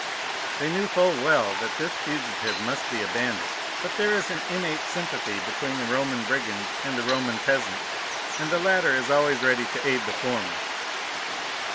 "They knew full well that this fugitive must be a bandit; but there is an innate sympathy between the Roman brigand and the Roman peasant and the latter is always ready to aid the former.